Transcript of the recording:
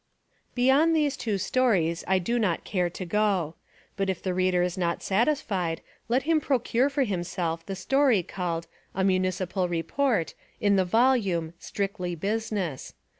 Beyond these two stories, I do not care to go. But if the reader is not satisfied let him procure 263 Essays and Literary Studies for himself the story called A Municipal Report in the volume Strictly Business.